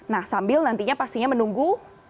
nah sambil nantinya pastinya menunggu